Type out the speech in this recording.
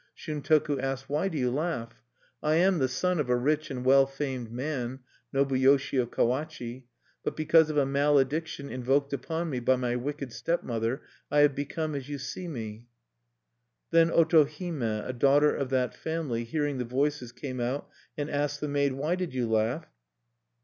Shuntoku asked: "Why do you laugh? I am the son of a rich and well famed man, Nobuyoshi of Kawachi. But because of a malediction invoked upon me by my wicked stepmother, I have become as you see me." Then Otohime, a daughter of that family, hearing the voices, came out, and asked the maid: "Why did you laugh?"